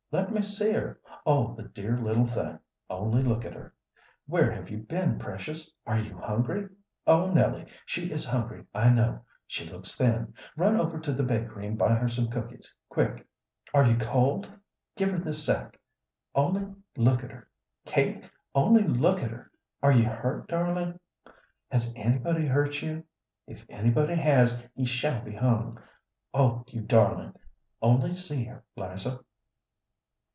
let me see her! Oh, the dear little thing, only look at her! Where have you been, precious? Are you hungry? Oh, Nellie, she is hungry, I know! She looks thin. Run over to the bakery and buy her some cookies, quick! Are you cold? Give her this sacque. Only look at her! Kate, only look at her! Are you hurt, darling? Has anybody hurt you? If anybody has, he shall be hung! Oh, you darling! Only see her, 'Liza."